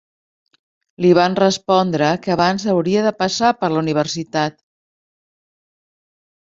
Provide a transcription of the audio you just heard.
Li van respondre que abans hauria de passar per la universitat.